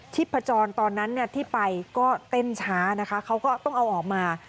พจรตอนนั้นที่ไปก็เต้นช้านะคะเขาก็ต้องเอาออกมา